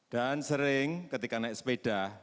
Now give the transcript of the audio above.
dan sering ketika naik sepeda